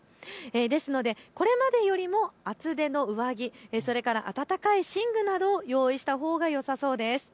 ですのでこれまでよりも厚手の上着、それからあたたかい寝具などを用意したほうがよさそうです。